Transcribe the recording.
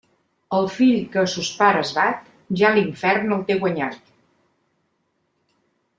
El fill que a sos pares bat, ja l'infern el té guanyat.